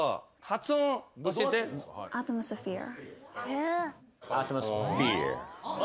アトモスフィア。